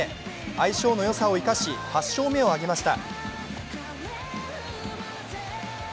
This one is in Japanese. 相性のよさを生かし８勝目を挙げました。